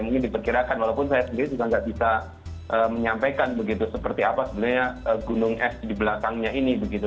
mungkin diperkirakan walaupun saya sendiri juga nggak bisa menyampaikan begitu seperti apa sebenarnya gunung es di belakangnya ini begitu